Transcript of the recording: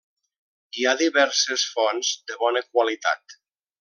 Hi ha diverses fonts de bona qualitat.